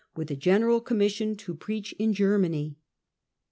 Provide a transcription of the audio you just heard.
with a general commission to preach in Germany.